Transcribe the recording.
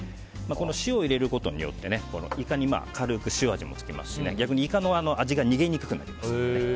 塩を入れることによってイカに軽く塩味も付きますし逆にイカの味が逃げにくくなります。